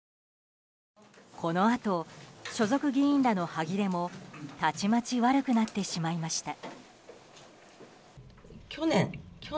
このあと、所属議員らの歯切れもたちまち悪くなってしまいました。